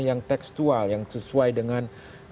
yang tekstual yang sesuai dengan